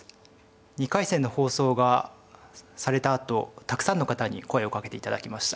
２回戦の放送がされたあとたくさんの方に声をかけて頂きました。